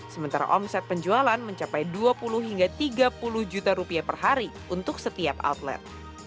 sementara omset penjualan mencapai rp dua puluh hingga rp tiga puluh per hari untuk setiap outlet